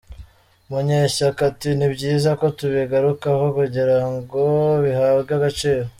Munyeshyaka ati “Ni byiza ko tubigarukaho kugirango bihabwe agaciro.